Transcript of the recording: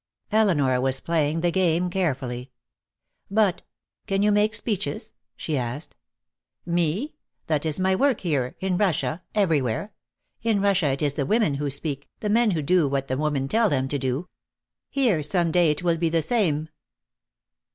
Elinor was playing the game carefully. "But can you make speeches?" she asked. "Me? That is my work, here, in Russia, everywhere. In Russia it is the women who speak, the men who do what the women tell them to do. Here some day it will be the same."